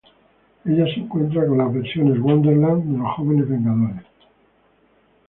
Ella se encuentra con las versiones Wonderland de los Jóvenes Vengadores.